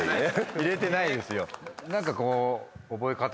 入れてないですよ。